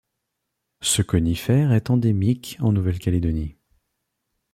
Ce conifère est endémique en Nouvelle-Calédonie.